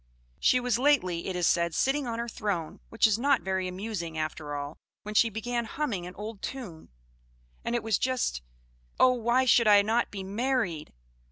She was lately, it is said, sitting on her throne which is not very amusing after all when she began humming an old tune, and it was just, 'Oh, why should I not be married?'